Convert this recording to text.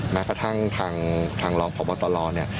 แม้กระทั่งทางรองพบตรเนี่ย